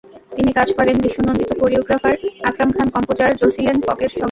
তিনি কাজ করেন বিশ্বনন্দিত কোরিগ্রাফার আকরাম খান, কম্পোজার জসিলেন পকের সঙ্গে।